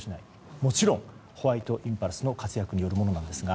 もちろんホワイトインパルスの活躍によるものです。